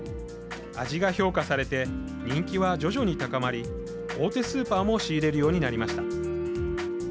味が評価されて人気は徐々に高まり大手スーパーも仕入れるようになりました。